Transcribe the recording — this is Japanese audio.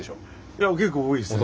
いや結構多いですね。